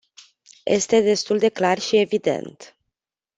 Este destul de clar și evident.